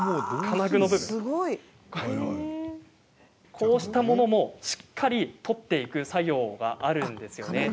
こうしたものも、しっかり取っていく作業があるんです。